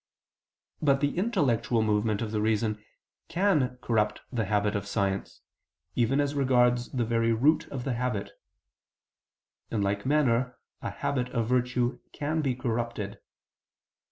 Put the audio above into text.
But the intellectual movement of the reason can corrupt the habit of science, even as regards the very root of the habit. In like manner a habit of virtue can be corrupted.